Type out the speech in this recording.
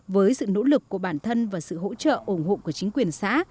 với sự nỗ lực của bản thân và sự hỗ trợ ủng hộ của chính quyền xã